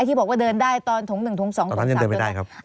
ไอ้ที่บอกว่าเดินได้ตัวตรงหนึ่งตรงสองตรงสาม